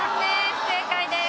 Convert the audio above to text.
不正解です。